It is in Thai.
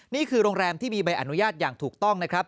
นี่คือโรงแรมที่มีใบอนุญาตอย่างถูกต้องนะครับ